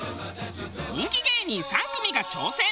人気芸人３組が挑戦。